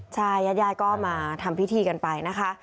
ใช่ยาดก็มาทำพิธีกันไปนะคะ